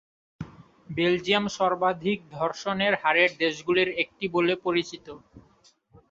Belgium সর্বাধিক ধর্ষণের হারের দেশগুলির একটি বলে পরিচিত।